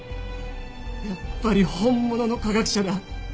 やっぱり本物の科学者だ。